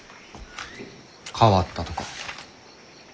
変わったとか。